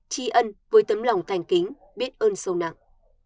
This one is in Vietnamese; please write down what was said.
tri ân với tấm lòng thành kính biết ơn sâu nặng